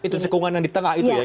itu cekungan yang di tengah itu ya